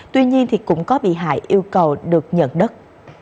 tuy nhiên thì cũng có bị hại yêu cầu được nhận đất